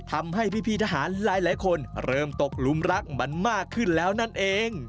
ทำให้พี่ทหารหลายคนเริ่มตกหลุมรักมันมากขึ้นแล้วนั่นเอง